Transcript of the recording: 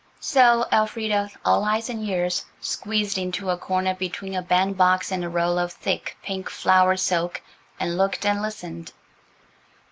So Elfrida, all eyes and ears, squeezed into a corner between a band box and a roll of thick, pink flowered silk and looked and listened.